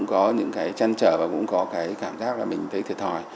cái chăn trở và cũng có cái cảm giác là mình thấy thiệt thòi